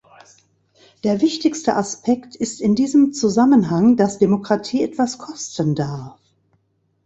Der wichtigste Aspekt ist in diesem Zusammenhang, dass Demokratie etwas kosten darf.